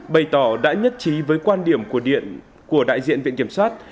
bày tỏ đã nhất trí với quan điểm của đại diện viện kiểm sát